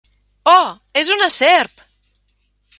Oh, és una serp!